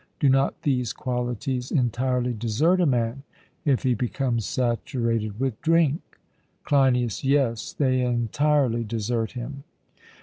Do not these qualities entirely desert a man if he becomes saturated with drink? CLEINIAS: Yes, they entirely desert him.